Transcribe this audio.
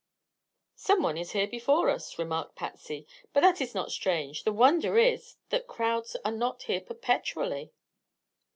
"Some one is here before us," remarked Patsy. "But that is not strange. The wonder is that crowds are not here perpetually."